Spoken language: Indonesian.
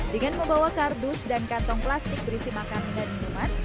dengan membawa kardus dan kantong plastik berisi makanan dan minuman